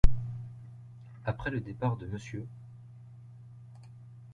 Après le départ de Mr.